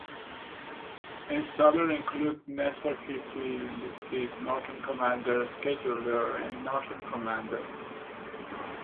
Installer included Network Utilities, Norton Commander Scheduler, and the Norton Commander.